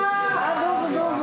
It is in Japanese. どうぞどうぞ。